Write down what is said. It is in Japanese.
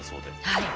はい。